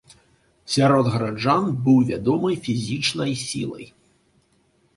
Сярод гараджан быў вядомы фізічнай сілай.